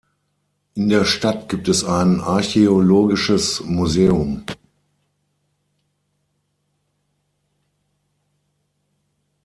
In der Stadt gibt es ein archäologisches Museum.